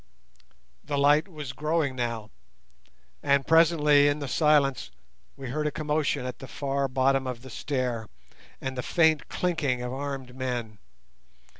The light was growing now, and presently, in the silence, we heard a commotion at the far bottom of the stair, and the faint clinking of armed men.